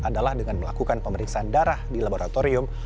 adalah dengan melakukan pemeriksaan darah di laboratorium